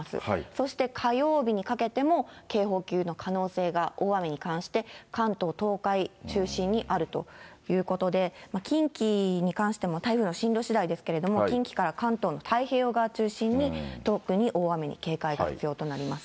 そして火曜日にかけても警報級の可能性が大雨に関して、関東、東海中心にあるということで、近畿に関しても、台風の進路しだいですけれども、近畿から関東の太平洋側中心に、特に大雨に警戒が必要となります。